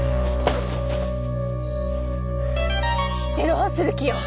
知ってどうする気よ！